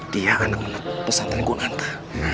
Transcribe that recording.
dia anak anak pesantren gue nanti